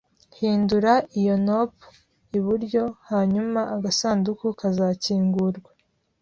Hindura iyo knop iburyo hanyuma agasanduku kazakingurwa